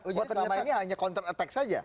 oh jadi selama ini hanya counter attack saja